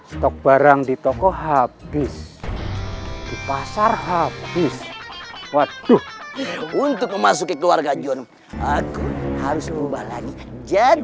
stok barang di toko habis di pasar habis waduh untuk memasuki keluarga john aku harus berubah lagi jadi